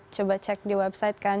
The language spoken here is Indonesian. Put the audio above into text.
coba cek di website kan